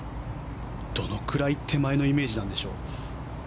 どのくらい手前のイメージなんでしょう？